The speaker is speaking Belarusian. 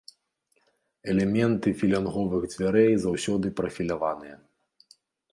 Элементы філянговых дзвярэй заўсёды прафіляваныя.